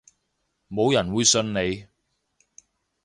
冇人會信你